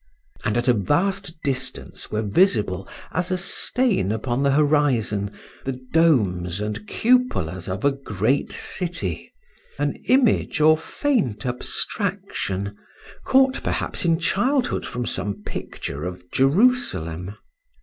And at a vast distance were visible, as a stain upon the horizon, the domes and cupolas of a great city—an image or faint abstraction, caught perhaps in childhood from some picture of Jerusalem.